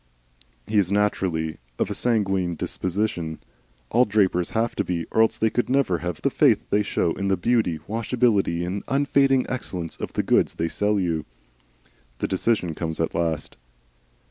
He is naturally of a sanguine disposition. All drapers have to be, or else they could never have the faith they show in the beauty, washability, and unfading excellence of the goods they sell you. The decision comes at last.